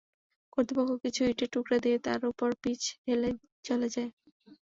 কর্তৃপক্ষ কিছু ইটের টুকরা দিয়ে তার ওপর পিচ ঢেলে চলে যায়।